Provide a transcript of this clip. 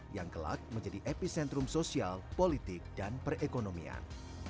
yang kelak menjadi epicentrum sosial politik dan perekonomian